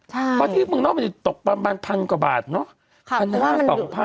เพราะที่เมืองนอกมันจะตกประมาณพันกว่าบาทเนอะ